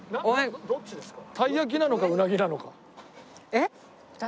えっ？